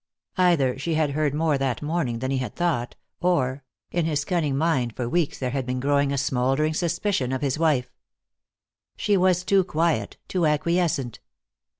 Either she had heard more that morning than he had thought, or In his cunning mind for weeks there had been growing a smoldering suspicion of his wife. She was too quiet, too acquiescent.